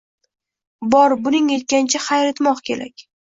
Bor kuning yetgancha xayr etmoq kerak!